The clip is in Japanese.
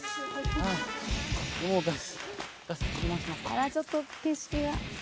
あらちょっと景色が。